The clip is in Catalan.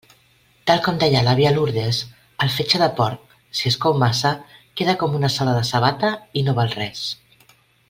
Tal com deia l'àvia Lourdes, el fetge de porc, si es cou massa, queda com una sola de sabata i no val res.